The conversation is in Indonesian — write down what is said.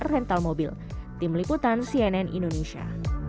rental mobil tim liputan cnn indonesia